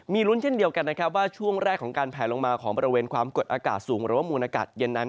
มีลุ้นเช่นเดียวกันนะครับว่าช่วงแรกของการแผลลงมาของบริเวณความกดอากาศสูงหรือว่ามูลอากาศเย็นนั้น